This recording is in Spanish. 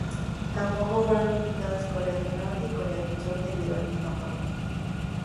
Tampoco fueron invitadas Corea del Norte y Corea del Sur debido al mismo problema.